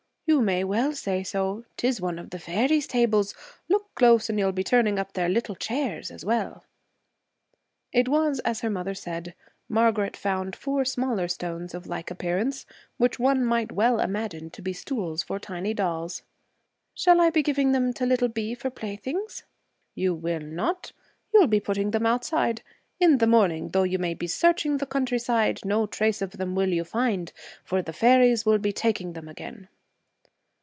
'You may well say so. 'Tis one of the fairies' tables. Look close and you'll be turning up their little chairs as well.' It was as her mother said. Margaret found four smaller stones of like appearance, which one might well imagine to be stools for tiny dolls. 'Shall I be giving them to little Bee for playthings?' 'You will not. You'll be putting them outside. In the morning, though you may be searching the countryside, no trace of them will you find, for the fairies will be taking them again.'